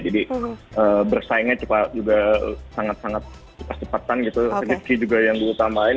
jadi bersaingnya juga sangat sangat cepat cepatan gitu rezeki juga yang gue tambahin